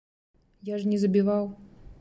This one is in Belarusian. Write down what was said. Я ж не забіваў.